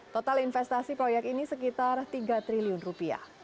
total investasi proyek ini sekitar tiga triliun rupiah